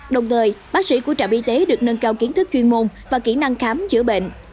đồng thời bác sĩ của trạm y tế được nâng cao kiến thức chuyên môn và kỹ năng khám chữa bệnh